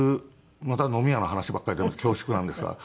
また飲み屋の話ばっかりで恐縮なんですが。